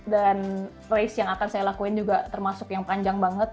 dan race yang akan saya lakuin juga termasuk yang panjang banget